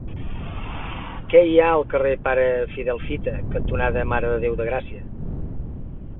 Què hi ha al carrer Pare Fidel Fita cantonada Mare de Déu de Gràcia?